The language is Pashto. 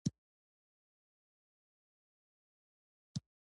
د پيچ حالت پر لوبه اغېز لري.